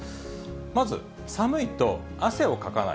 まず寒いと汗をかかない。